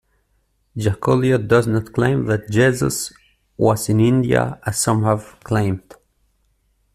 Jacolliot does not claim that Jesus was in India as some have claimed.